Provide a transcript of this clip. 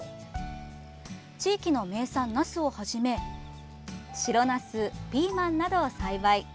地域の名産、なすをはじめ白なす、ピーマンなどを栽培。